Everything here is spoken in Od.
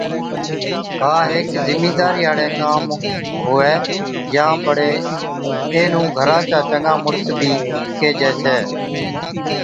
ها هيڪ زميدارِي هاڙِي ڪام هُوَي يان بڙي اينهُون گھرا چا چڱا مُڙس بِي ڪيهجَي ڇَي